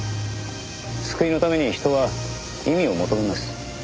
救いのために人は意味を求めます。